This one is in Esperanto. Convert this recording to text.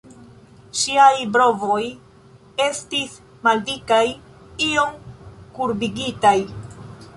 Ŝiaj brovoj estis maldikaj, iom kurbigitaj.